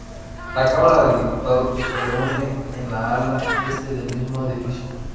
La Cámara de Diputados se reúne en el ala este del mismo edificio.